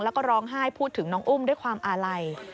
แล้วก็ร้องไห้พูดถึงน้องอุ้มด้วยความอาลัย